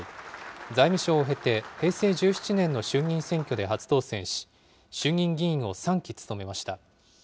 財務省を経て、平成１７年の衆議院選挙で初当選し、衆議院議員を３期務めました。